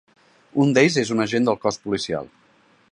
Un d’ells és un agent del cos policial.